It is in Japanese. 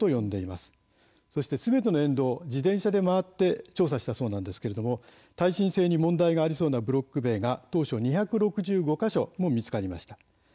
すべての沿道を自転車で回って調査したそうなんですが耐震性に問題がありそうなブロック塀が２６５か所も見つかりました。